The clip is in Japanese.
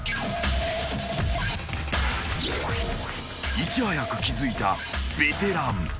［いち早く気付いたベテラン。